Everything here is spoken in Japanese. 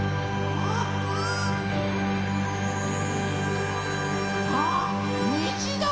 ああっにじだ！